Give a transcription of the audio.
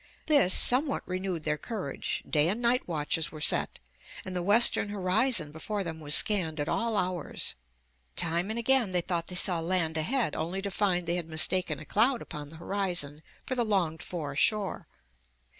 This somewhat renewed their courage; day and night watches were set and the western horizon before them was scanned at .all hours. Time and again they thought they saw land ahead, only to find they had mistaken a cloud upon the horizon for the longed for shore.